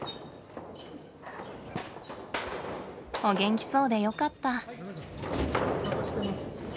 お元気そうでよかった。